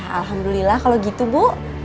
alhamdulillah kalau gitu bu